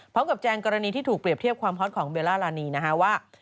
แจงกรณีที่ถูกเปรียบเทียบความฮอตของเบลล่ารานีนะฮะว่า